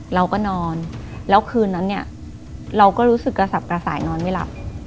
เราก็นอนแล้วคืนนั้นเนี่ยเราก็รู้สึกกระสับกระสายนอนไม่หลับ